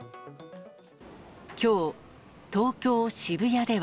きょう、東京・渋谷では。